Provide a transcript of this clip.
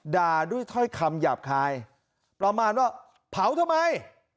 ด่าด้วยถ้อยคำหยาบคายประมาณว่าเผาทำไม